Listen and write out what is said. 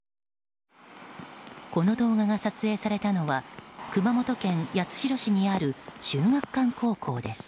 この動画が撮影されたのは熊本県八代市にある秀岳館高校です。